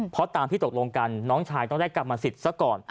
เพราะตามที่ตกลงกันน้องชายต้องได้กรรมสิทธิ์ซะก่อน